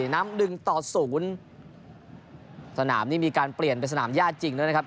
น้ำดึงต่อสูงสนามนี้มีการเปลี่ยนเป็นสนามย่าจริงเลยนะครับ